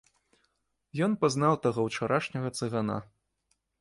Ён пазнаў таго ўчарашняга цыгана.